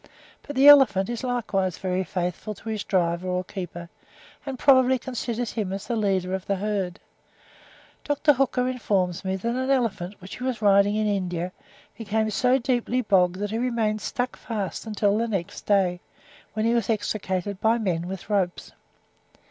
But the elephant is likewise very faithful to his driver or keeper, and probably considers him as the leader of the herd. Dr. Hooker informs me that an elephant, which he was riding in India, became so deeply bogged that he remained stuck fast until the next day, when he was extricated by men with ropes.